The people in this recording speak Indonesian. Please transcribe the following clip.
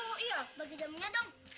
oh iya bagi jamunya dong